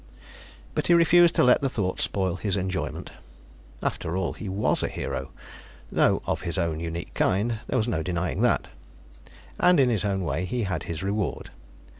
But he refused to let the thought spoil his enjoyment. After all, he was a hero, though of his own unique kind; there was no denying that. And, in his own way, he had his reward.